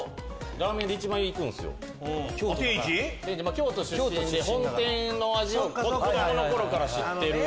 京都出身で本店の味を子供の頃から知ってる。